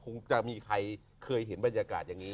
คงจะมีใครเคยเห็นบรรยากาศอย่างนี้